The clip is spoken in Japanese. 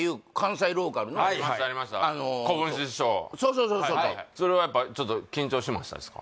そうそうそうそれはやっぱ緊張しましたですか？